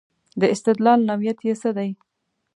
د استدلال نوعیت یې څه دی.